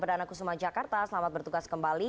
beranakusuma jakarta selamat bertugas kembali